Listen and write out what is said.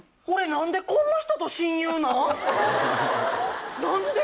俺何でこんな人と親友なん？